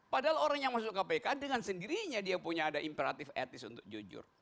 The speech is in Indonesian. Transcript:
padahal orang yang masuk kpk dengan sendirinya dia punya ada imperatif etis untuk jujur